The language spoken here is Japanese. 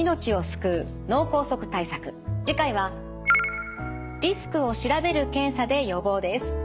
次回はリスクを調べる検査で予防です。